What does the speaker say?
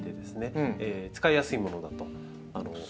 使いやすいものだと私も思います。